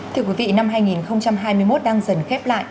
thưa quý vị năm hai nghìn hai mươi một đang dần khép lại